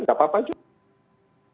gak apa apa juga